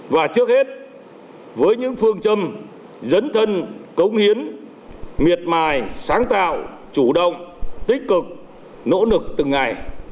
và trước hết với những phương châm dấn thân cống hiến miệt mài sáng tạo chủ động tích cực nỗ lực từng ngày